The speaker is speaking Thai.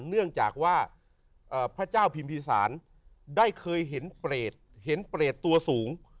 เนื่องจากว่าพระเจ้าพิมพีศาลได้เคยเห็นเปรตเห็นเปรตตัวสูง